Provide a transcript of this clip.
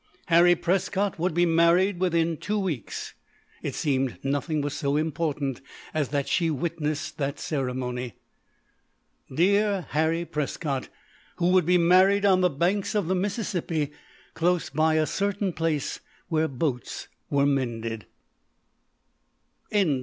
Harry Prescott would be married within two weeks. It seemed nothing was so important as that she witness that ceremony. Dear Harry Prescott, who would be married on the banks of the Mississippi, close by a certain place where boats were mended.